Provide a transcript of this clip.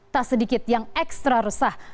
tak sedikit yang ekstra resah